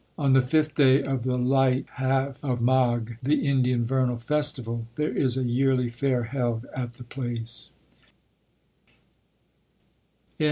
On the fifth day of the light half of Magh, the Indian vernal festival, there is a yearly fair held at the place.